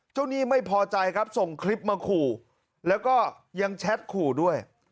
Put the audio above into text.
หนี้ไม่พอใจครับส่งคลิปมาขู่แล้วก็ยังแชทขู่ด้วย